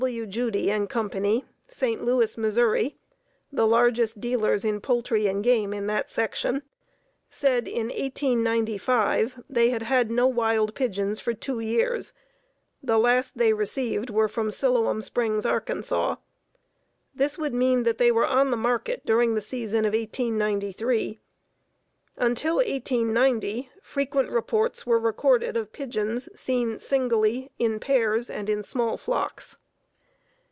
W. Judy & Co., St. Louis, Mo., the largest dealers in poultry and game in that section, said, in 1895, they had had no wild pigeons for two years; the last they received were from Siloam Springs, Ark. This would mean that they were on the market during the season of 1893. Until 1890 frequent reports were recorded of pigeons seen singly, in pairs and in small flocks.